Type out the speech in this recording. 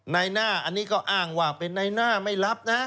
ในหน้าอันนี้ก็อ้างว่าเป็นในหน้าไม่รับนะ